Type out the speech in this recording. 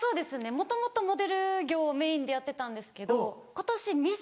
もともとモデル業をメインでやってたんですけど今年ミス